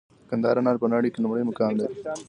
د کندهار انار په نړۍ کې لومړی مقام لري.